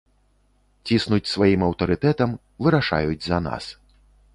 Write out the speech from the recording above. Ціснуць сваім аўтарытэтам, вырашаюць за нас.